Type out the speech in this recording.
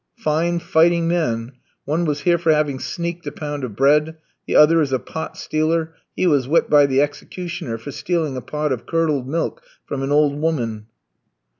Fine fighting men! One was here for having sneaked a pound of bread, the other is a pot stealer; he was whipped by the executioner for stealing a pot of curdled milk from an old woman.